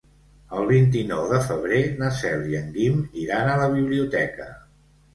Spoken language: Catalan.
El vint-i-nou de febrer na Cel i en Guim iran a la biblioteca.